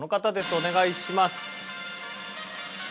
お願いします。